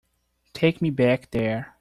Take me back there.